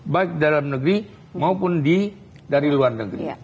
baik di dalam negeri maupun di dari luar negeri